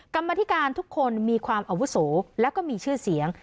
กรรมธิการทุกคนมีความอาวุโสแล้วก็มีชื่อเสียง